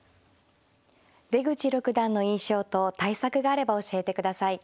出口六段の印象と対策があれば教えてください。